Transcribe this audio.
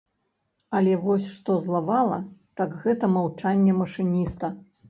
Але вось што злавала, так гэта маўчанне машыніста.